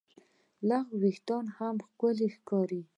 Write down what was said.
لږ وېښتيان هم ښکلي ښکاري.